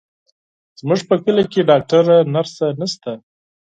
زموږ په کلي کې ډاکتره، نرسه نشته،